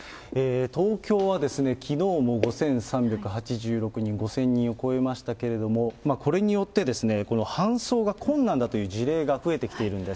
東京は、きのうも５３８６人、５０００人を超えましたけれども、これによって、この搬送が困難だという事例が増えてきているんです。